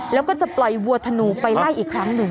แล้วก็จะปล่อยวัวธนูไปไล่อีกครั้งหนึ่ง